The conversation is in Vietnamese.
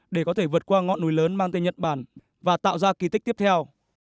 để có thể vượt qua ngọn núi lớn mang tên nhật bản và tạo ra kỳ tích tiếp theo